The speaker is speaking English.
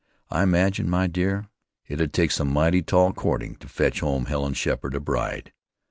I imagine, my dear, it'd take some mighty tall courting to fetch home Helen Sheppard a bride.